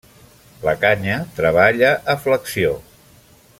La canya treballa a flexió.